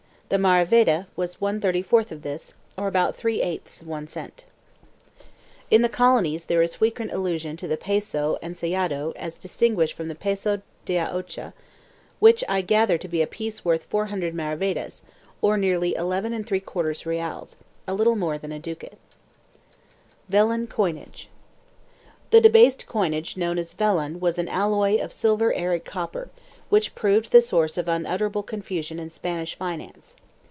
The maravedi was fa of this, or about f of one cent. In the colonies there is frequent allusion to the peso ensayado as distinguished from the peso de a ocho, which I gather to be a piece worth 400 maravedis, or nearly llf reales — a little more than a ducat. VELLON COINAGE. The debased coinage known as vellon was an alloy of silver and copper, which proved the source of unutterable confusion in Spanish finance.